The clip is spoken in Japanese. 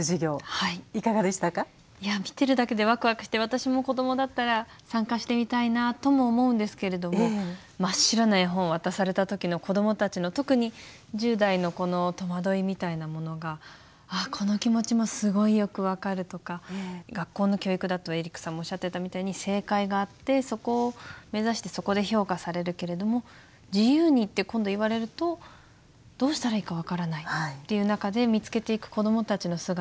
いや見てるだけでワクワクして私も子どもだったら参加してみたいなとも思うんですけれども真っ白な絵本を渡された時の子どもたちの特に１０代の子のとまどいみたいなものがあこの気持ちもすごいよく分かるとか学校の教育だとエリックさんもおっしゃってたみたいに正解があってそこを目指してそこで評価されるけれども「自由に」って今度言われるとどうしたらいいか分からないっていう中で見つけていく子どもたちの姿とか。